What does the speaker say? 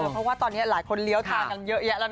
เพราะว่าตอนนี้หลายคนเลี้ยวทางกันเยอะแยะแล้วนะ